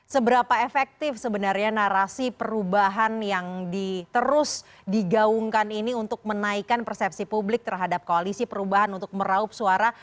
seberapa efektif sebenarnya narasi perubahan yang terus digaungkan ini untuk menaikkan persepsi publik terhadap koalisi perubahan untuk meraup suara